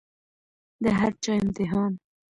د هر چا امتحان